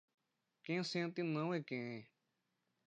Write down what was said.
Quem sente não é quem é